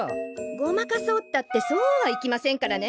ごまかそうったってそうはいきませんからね。